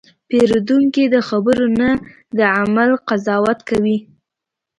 پیرودونکی د خبرو نه، د عمل قضاوت کوي.